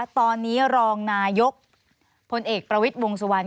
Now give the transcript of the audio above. ตอนนี้รองนายกพลเอกประวิทย์วงสุวรรณ